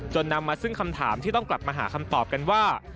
นำมาซึ่งคำถามที่ต้องกลับมาหาคำตอบกันว่า